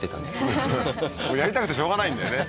ははははっやりたくてしょうがないんだよね